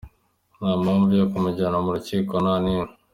Nta mpamvu yo kumujyana mu rukiko, nta n’imwe.